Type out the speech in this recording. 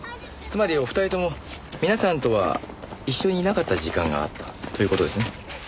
つまりお二人とも皆さんとは一緒にいなかった時間があったという事ですね？